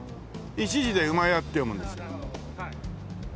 １字で「うまや」って読むんですよ。